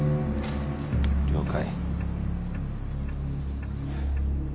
了解。